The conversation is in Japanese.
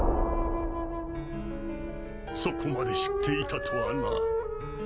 そこまで知っていたとはな。